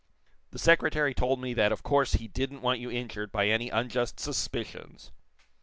The Secretary told me that of course he didn't want you injured by any unjust suspicions."